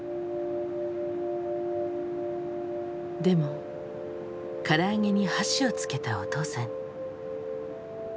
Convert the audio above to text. でもからあげに箸をつけたお父さん。